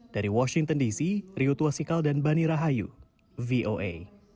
dari washington dc riyut wasikal dan bani rahayu voa